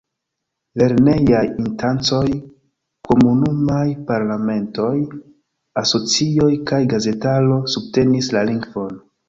Lernejaj instancoj, komunumaj parlamentoj, asocioj kaj gazetaro subtenis la lingvon.